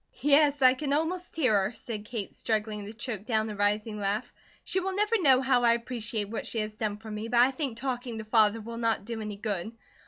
"Yes, I can almost hear her," said Kate, struggling to choke down a rising laugh. "She will never know how I appreciate what she has done for me, but I think talking to Father will not do any good.